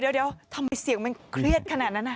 เดี๋ยวทำไมเสียงมันเครียดขนาดนั้น